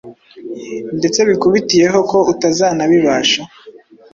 ndetse bikubitiyeho ko utazanabibasha